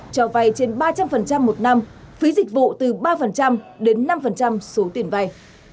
cho vay trên ba trăm linh một năm phí dịch vụ từ ba đến năm số tiền vay